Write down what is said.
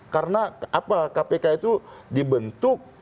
karena kpk itu dibentuk